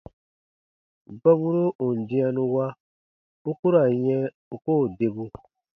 Gɔburo ù n dĩanu wa, u ku ra n yɛ̃ u koo debu.